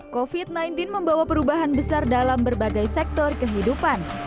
covid sembilan belas membawa perubahan besar dalam berbagai sektor kehidupan